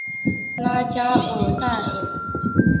拉加尔代尔。